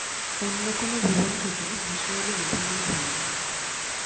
অন্য কোনো ভুবন থেকে ভেসে এল নূপুরের ধ্বনি।